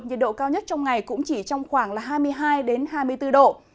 nhiệt độ cao nhất trong ngày cũng chỉ trong khoảng là hai mươi hai hai mươi bốn độ